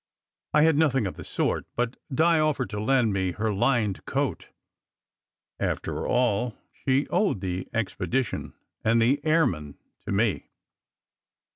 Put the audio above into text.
I had nothing of the sort, but Di offered to lend me her lined coat. After all, she owed the expedition and the airman to me.